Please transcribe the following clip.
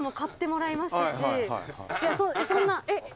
いやそんなえっ？